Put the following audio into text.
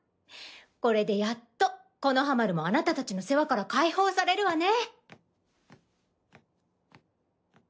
これでやっと木ノ葉丸もあなたたちの世話から解放されるわね。